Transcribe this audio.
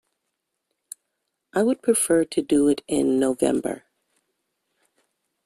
I would prefer to do it in November.